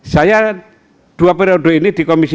saya dua periode ini di komisi dua